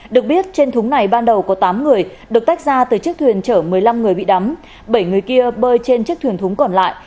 được biết trên thúng này ban đầu có tám người được tách ra từ chiếc thuyền chở một mươi năm người bị đắm bảy người kia bơi trên chiếc thuyền thúng còn lại